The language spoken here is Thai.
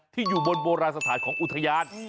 อยู่บนโบราณสถานของอุทยาน